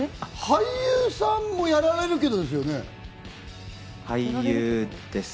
俳優さんもやられるけど、俳優です。